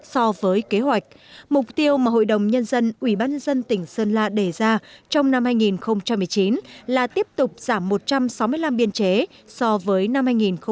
so với kế hoạch mục tiêu mà hội đồng nhân dân ủy ban dân tỉnh sơn la đề ra trong năm hai nghìn một mươi chín là tiếp tục giảm một trăm sáu mươi năm biên chế so với năm hai nghìn một mươi tám